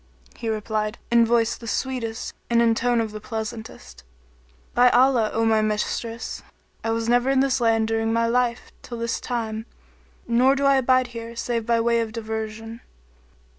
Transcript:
He replied, in voice the sweetest and in tone the pleasantest, "By Allah, O my mistress, I was never in this land during my life till this time, nor do I abide here save by way of diversion."